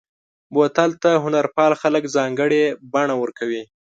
بوتل ته هنرپال خلک ځانګړې بڼه ورکوي.